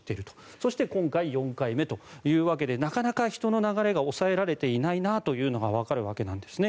そして、今回４回目ということでなかなか人の流れが抑えられていないなというのがわかるわけなんですね。